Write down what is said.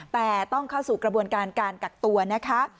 แต่ต้องเข้าสู่กระบวนการการกักตัวนะคะ